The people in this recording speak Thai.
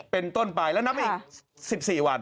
เป็นต้นไปแล้วนับอีก๑๔วัน